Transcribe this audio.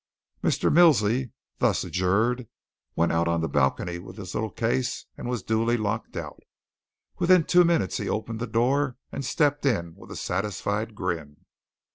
Mr. Milsey, thus adjured, went out on the balcony with his little case and was duly locked out. Within two minutes he opened the door and stepped in with a satisfied grin.